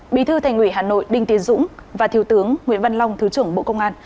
bí thư thành ủy hà nội đinh tiến dũng và thiếu tướng nguyễn văn long thứ trưởng bộ công an